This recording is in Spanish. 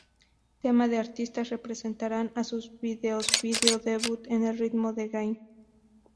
Temas de artistas representarán a sus "videos-video debut en el ritmo del game".